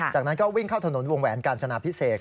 จากนั้นก็วิ่งเข้าถนนวงแหวนกาญจนาพิเศษ